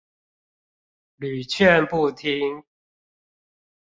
屢勸不聽